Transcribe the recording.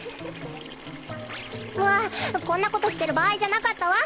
わっこんなことしてるばあいじゃなかったわ！